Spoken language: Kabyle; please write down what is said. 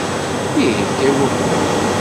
Ihegga i waffug.